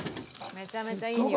めちゃめちゃいい匂い。